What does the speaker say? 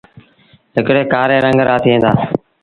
هڪڙآ ڪآري رنگ رآ ٿئيٚݩ دآ۔